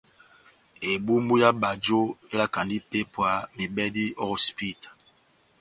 Ebumbu yá bajo elakandi ipépwa mebɛdi o hosipita.